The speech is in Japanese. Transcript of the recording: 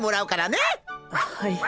はい。